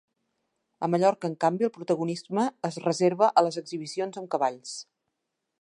A Mallorca, en canvi, el protagonisme es reserva a les exhibicions amb cavalls.